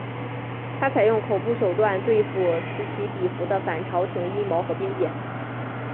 他采用恐怖手段对付此起彼伏的反朝廷阴谋和兵变。